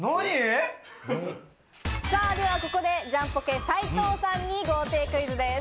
ではここでジャンポケ・斉藤さんに豪邸クイズです。